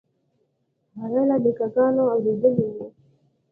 هغې له نیکه ګانو اورېدلي وو.